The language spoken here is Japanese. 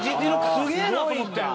すげえなと思って。